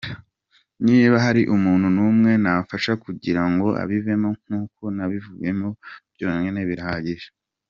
"Niba hari umuntu n'umwe nafasha kugira ngo abivemo nk'uko nabivuyemo, byonyine birahagije.